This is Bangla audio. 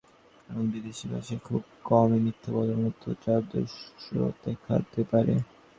কারণ, বিদেশি ভাষায় খুব কমই মিথ্যা বলার মতো চাতুর্য দেখাতে পারে।